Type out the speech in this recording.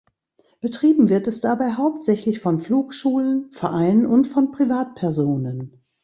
Betrieben wird es dabei hauptsächlich von Flugschulen, Vereinen und von Privatpersonen.